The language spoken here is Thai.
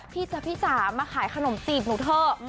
จ๊ะพี่จ๋ามาขายขนมจีบหนูเถอะ